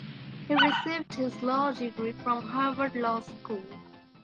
He received his law degree from Harvard Law School.